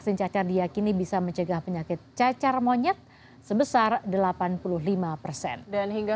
kun pengantaran demikian adalah pertama kali saya berbahasa asia terdapat olasannya tentang kontaksnafikoduor dan k queremos negara di indonesia